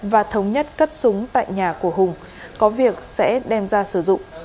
và thống nhất cất súng tại nhà của hùng có việc sẽ đem ra sử dụng